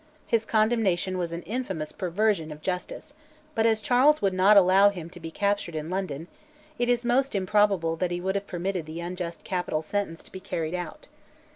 His condemnation was an infamous perversion of justice, but as Charles would not allow him to be captured in London, it is most improbable that he would have permitted the unjust capital sentence to be carried out.